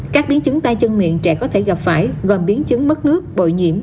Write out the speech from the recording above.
các biến chứng tay chân miệng trẻ có thể gặp phải gồm biến chứng mất nước bội nhiễm